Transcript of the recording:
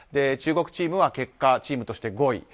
中国チームは結果チームとして５位。